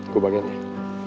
gue bagian deh